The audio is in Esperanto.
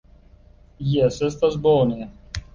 Jes, estas bone.